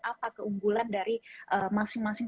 apa keunggulan dari masing masing